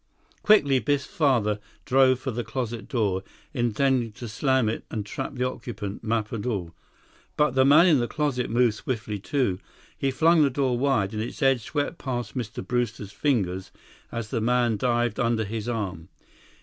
Quickly, Biff's father dove for the closet door, intending to slam it and trap the occupant, map and all. But the man in the closet moved swiftly, too. He flung the door wide, and its edge swept past Mr. Brewster's fingers as the man dived under his arm.